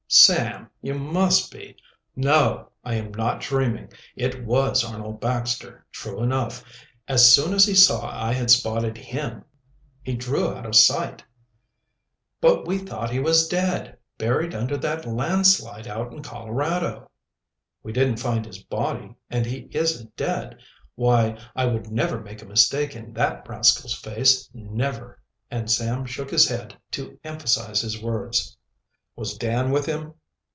"Sam, you must be " "No, I am not dreaming. It was Arnold Baxter, true enough. As soon as he saw I had spotted him he drew out of sight." "But we thought he was dead buried under that landslide out in Colorado." "We didn't find his body, and he isn't dead. Why, I would never make a mistake in that rascal's face, never," and Sam shook his head to emphasize his words. "Was Dan with him?"